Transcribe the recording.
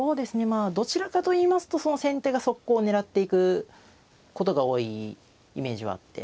まあどちらかといいますとその先手が速攻を狙っていくことが多いイメージはあって。